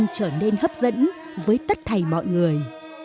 trở nên hấp dẫn với tất thầy mọi người